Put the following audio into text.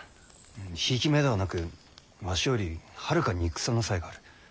ひいき目ではなくわしよりはるかに戦の才がある。